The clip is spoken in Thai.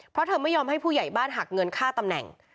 เพราะเธอไม่ยอมให้ผู้ใหญ่บ้านหักเงินค่าตำแหน่ง